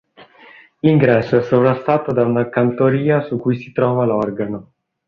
L'ingresso è sovrastato da una cantoria su cui si trova l'organo.